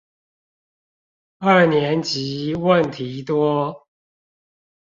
二年級問題多